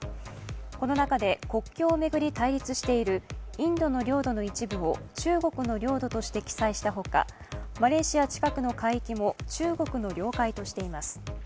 この中で国境を巡り対立しているインドの領土の一部を中国の領土として記載したほか、マレーシア近くの海域も中国の領海としています。